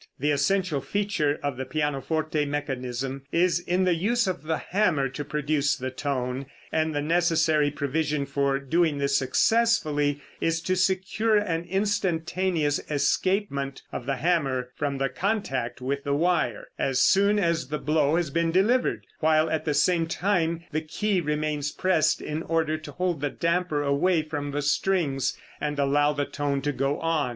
The essential feature of the pianoforte mechanism is in the use of the hammer to produce the tone, and the necessary provision for doing this successfully is to secure an instantaneous escapement of the hammer from contact with the wire, as soon as the blow has been delivered, while at the same time the key remains pressed in order to hold the damper away from the strings and allow the tone to go on.